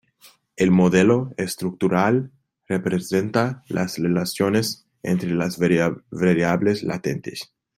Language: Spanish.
El modelo estructural representa las relaciones entre las variables latentes.